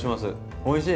おいしい。